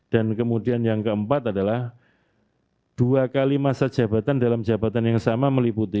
dan kemudian yang keempat adalah dua kali masa jabatan dalam jabatan yang sama meliputi